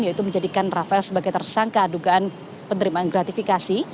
yaitu menjadikan rafael sebagai tersangka dugaan penerimaan gratifikasi